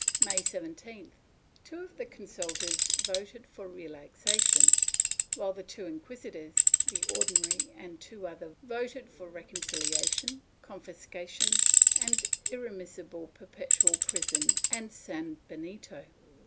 May 17th, two of the consultors voted for relaxation, while the two inquisitors, the Ordinary and two others voted for recon ciliation, confiscation and irremissible perpetual prison and san benito.